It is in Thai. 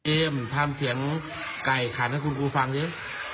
เอมทำเสียงไก่ขันให้คุณครูฟังสิ